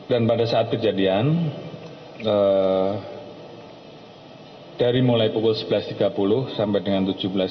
dan pada saat kejadian dari mulai pukul sebelas tiga puluh sampai dengan tujuh belas tiga puluh